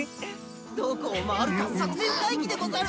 どこを回るか作戦会議でござる！